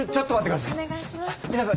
お願いします。